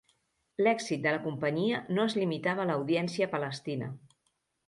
L'èxit de la companyia no es limitava a l'audiència palestina.